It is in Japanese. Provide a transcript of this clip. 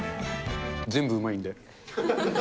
全部うまいんで。